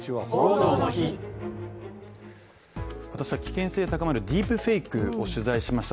私は危険性高まるディープフェークを取材しました。